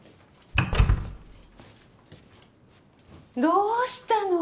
どうしたの？